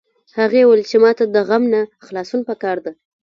هغې وویل چې ما ته د غم نه خلاصون په کار ده